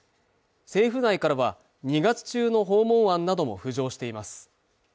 政府内からは、２月中の訪問案なども浮上しています。